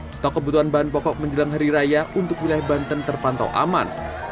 stok kebutuhan bahan pokok menjelang hari raya untuk wilayah banten terpantau aman